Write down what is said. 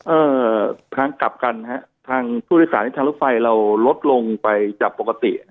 เอ่อทางกลับกันฮะทางผู้โดยสารในทางรถไฟเราลดลงไปจากปกติ